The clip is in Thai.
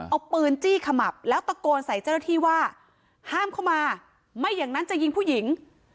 เอาปืนจี้ขมับแล้วตะโกนใส่เจ้าหน้าที่ว่าห้ามเข้ามาไม่อย่างนั้นจะยิงผู้หญิง